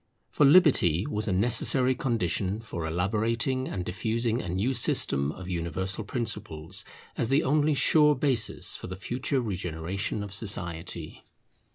For liberty was a necessary condition for elaborating and diffusing a new system of universal principles, as the only sure basis for the future regeneration of society.